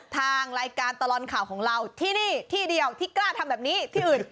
ทางรายการตลอดข่าวของเราที่นี่ที่เดียวที่กล้าทำแบบนี้ที่อื่น